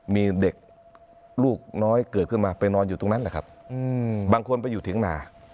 มีเด็กลูกน้อยเกิดขึ้นมาไปนอนอยู่ตรงนั้นแหละครับบางคนไปอยู่เถียงนา